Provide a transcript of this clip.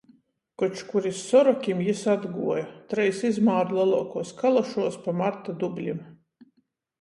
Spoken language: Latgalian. Koč kur iz Sorokim jis atguoja. Treis izmāru leluokuos kalošuos pa marta dublim.